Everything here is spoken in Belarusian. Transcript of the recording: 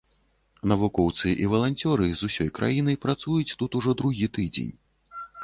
Навукоўцы і валанцёры з усёй краіны працуюць тут ужо другі тыдзень.